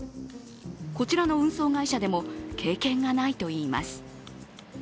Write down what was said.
こちらの運送会社でも経験がないといいます。